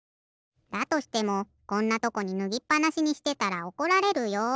だとしてもこんなとこにぬぎっぱなしにしてたらおこられるよ。